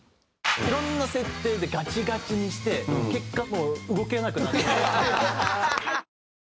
いろんな設定でガチガチにして結果もう動けなくなって。